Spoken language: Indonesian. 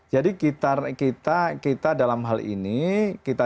jadi kita dalam hal ini kita dorong masyarakat masyarakat